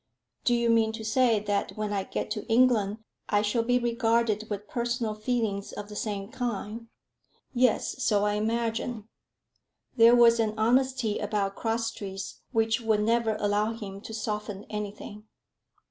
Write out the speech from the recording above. "Do you mean to say, that when I get to England I shall be regarded with personal feelings of the same kind?" "Yes; so I imagine." There was an honesty about Crosstrees which would never allow him to soften anything.